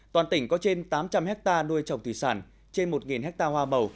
toàn tỉnh có trên tám trăm linh hectare nuôi trồng thủy sản trên một hectare hoa bầu